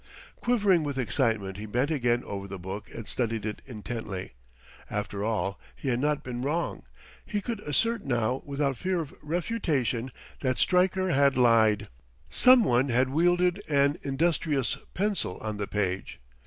Quivering with excitement he bent again over the book and studied it intently. After all, he had not been wrong! He could assert now, without fear of refutation, that Stryker had lied. Some one had wielded an industrious pencil on the page.